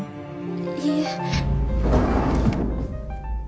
いいえ。